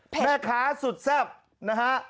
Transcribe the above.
แม่ค้าสุดทรัพย์นะฮะ